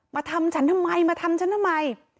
มาทำฉันทำไมมาทำฉันทำไม